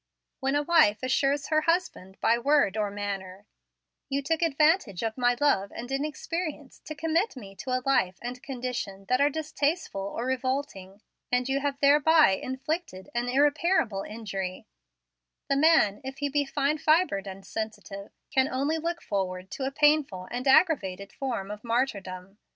When a wife assures her husband, by word or manner, "You took advantage of my love and inexperience to commit me to a life and condition that are distasteful or revolting, and you have thereby inflicted an irreparable injury," the man, if he be fine fibred and sensitive, can only look forward to a painful and aggravated form of martyrdom.